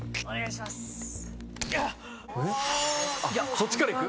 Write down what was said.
そっちからいく？